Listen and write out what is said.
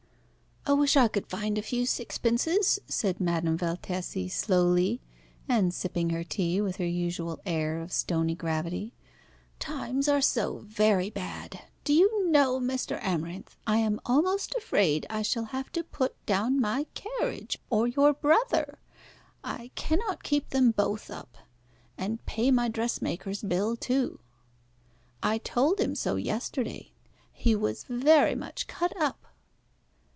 "I wish I could find a few sixpences," said Madame Valtesi slowly, and sipping her tea with her usual air of stony gravity. "Times are so very bad. Do you know, Mr. Amarinth, I am almost afraid I shall have to put down my carriage, or your brother. I cannot keep them both up, and pay my dressmaker's bill too. I told him so yesterday. He was very much cut up."